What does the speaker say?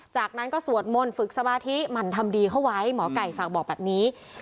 จากนั้นก็สวดมนต์ฝึกสมาธิหมั่นทำดีเข้าไว้หมอไก่ฝากบอกแบบนี้